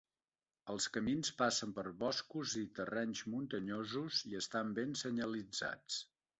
Els camins passen per boscos i terrenys muntanyosos i estan ben senyalitzats.